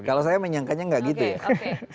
kalau saya menyangkanya nggak gitu ya